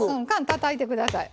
たたいてください。